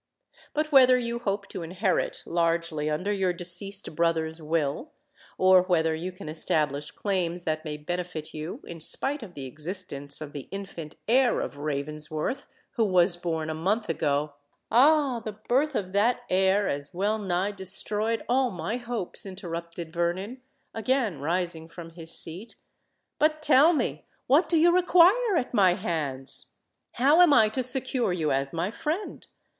But whether you hope to inherit largely under your deceased brother's will; or whether you can establish claims that may benefit you, in spite of the existence of the infant heir of Ravensworth, who was born a month ago——" "Ah! the birth of that heir has well nigh destroyed all my hopes!" interrupted Vernon, again rising from his seat. "But, tell me—what do you require at my hands? how am I to secure you as my friend?